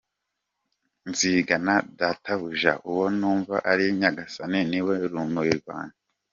Nzigana Databuja, uwo numva ari Nyagasani, niwe rumuri rwanjye.